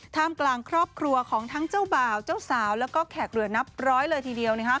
กลางครอบครัวของทั้งเจ้าบ่าวเจ้าสาวแล้วก็แขกเหลือนับร้อยเลยทีเดียว